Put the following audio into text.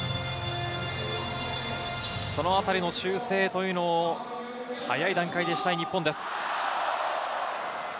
そのあたりの修正を早い段階でしたい日本です。